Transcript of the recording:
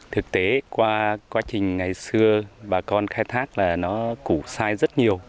thực tế qua quá trình ngày xưa bà con khai thác là nó củ sai rất nhiều